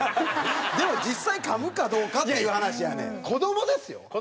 でも実際かむかどうかっていう話やねん。子どもですよ。